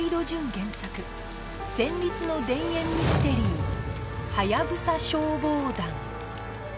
原作戦慄の田園ミステリー『ハヤブサ消防団』